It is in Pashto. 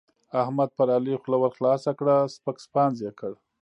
احمد پر علي خوله ورخلاصه کړه؛ سپک سپاند يې کړ.